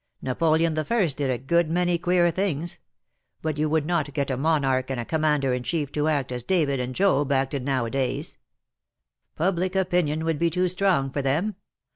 Napoleon the First did a good many queer things ; but you would not get a monarch and a commander in chief to act as David and Joab acted now a days. Public opinion would be too strong for them.